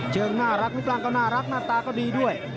เจิงน่ารักมิตรางก็น่ารักหน้าตาก็ดีด้วย